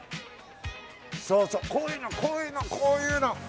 そうそうこういうのこういうの！